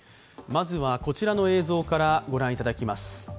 まずは、こちらの映像から御覧いただきます。